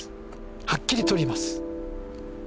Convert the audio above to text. はっきり取ります！